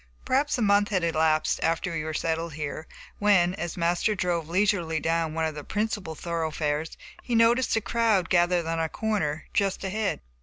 Perhaps a month had elapsed, after we were settled there, when, as Master drove leisurely down one of the principal thoroughfares, he noticed a crowd gathered on a corner just ahead.